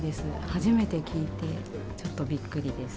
初めて聞いて、ちょっとびっくりです。